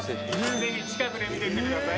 ぜひ近くで見てってください。